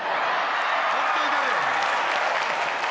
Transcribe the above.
ほっといたれよ。